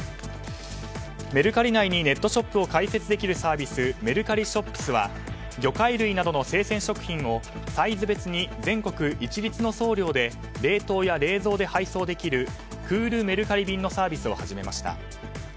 メルカリ内にネットショップを開設できるサービスメルカリＳｈｏｐｓは魚介類などの生鮮食品をサイズ別に全国一律の送料で冷凍や冷蔵で配送できるクールメルカリ便のサービスを始めました。